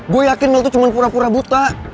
gue yakin mel tuh cuman pura pura buta